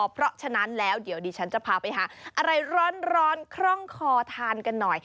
เพราะฉะนั้นแล้วเดี๋ยวดิฉันจะพาไปหาอะไรร้อนคล่องคอทานกันหน่อย